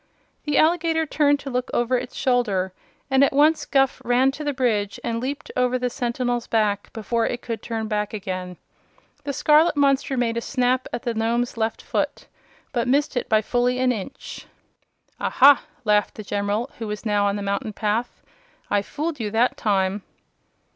The alligator turned to look over its shoulder, and at once Guph ran to the bridge and leaped over the sentinel's back before it could turn back again. The scarlet monster made a snap at the Nome's left foot, but missed it by fully an inch. "Ah ha!" laughed the General, who was now on the mountain path. "I fooled you that time."